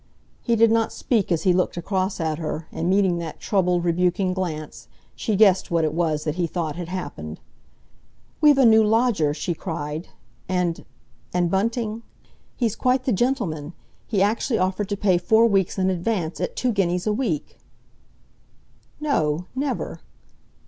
He did not speak as he looked across at her, and meeting that troubled, rebuking glance, she guessed what it was that he thought had happened. "We've a new lodger!" she cried. "And—and, Bunting? He's quite the gentleman! He actually offered to pay four weeks in advance, at two guineas a week." "No, never!"